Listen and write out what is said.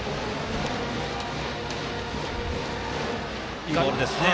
いいボールですね。